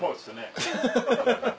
アハハハハ。